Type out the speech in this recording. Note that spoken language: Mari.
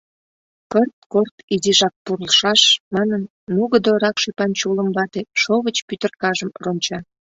— Кырт-корт изишак пурлшаш! — манын, нугыдо ракш ӱпан чулым вате шовыч пӱтыркажым ронча.